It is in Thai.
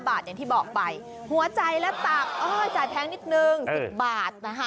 บาทอย่างที่บอกไปหัวใจและตับจ่ายแพงนิดนึง๑๐บาทนะคะ